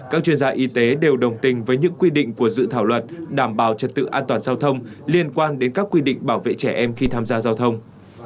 các chuyên gia y tế đều đồng tình với những quy định của dự thảo luật đảm bảo trật tự an toàn giao thông liên quan đến các quy định bảo vệ trẻ em khi tham gia giao thông